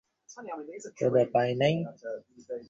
ক্ষুধা পায় নাই?